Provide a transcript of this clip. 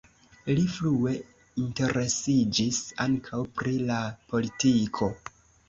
Li frue interesiĝis ankaŭ pri la politiko.